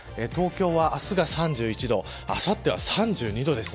東京は明日が３１度あさっては３２度です。